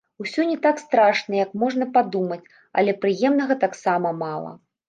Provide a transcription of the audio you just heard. Усё не так страшна, як можна падумаць, але прыемнага таксама мала.